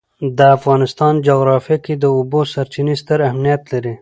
د افغانستان جغرافیه کې د اوبو سرچینې ستر اهمیت لري.